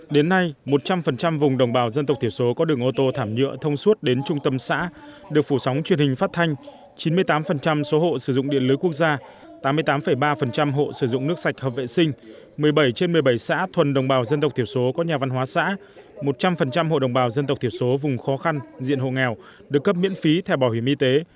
đến nay một trăm linh vùng đồng bào dân tập thiểu số có đường ô tô thảm nhựa thông suốt đến trung tâm xã được phủ sóng truyền hình phát thanh chín mươi tám số hộ sử dụng điện lưới quốc gia tám mươi tám ba hộ sử dụng nước sạch hợp vệ sinh một mươi bảy trên một mươi bảy xã thuần đồng bào dân tập thiểu số có nhà văn hóa xã một trăm linh hộ đồng bào dân tập thiểu số vùng khó khăn diện hộ nghèo được cấp miễn phí theo bảo hiểm y tế